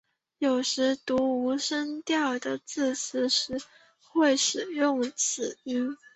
有时读无声调的字词时会使用到此音。